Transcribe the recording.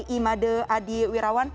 imade adi wirawan